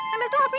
ambil tuh hp nya